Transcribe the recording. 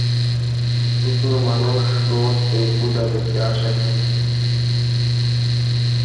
প্রচুর মানুষ রোজ এই পূজা দেখতে আসেন।